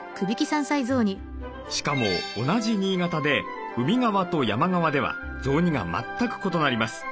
しかも同じ新潟で海側と山側では雑煮が全く異なります。